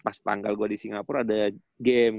pas tanggal gua di singapura ada game